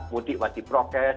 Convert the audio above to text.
mudik wasi prokes